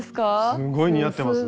すんごい似合ってますね。